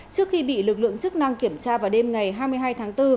trước khi bị lực lượng chức năng kiểm tra vào đêm ngày hai mươi hai tháng bốn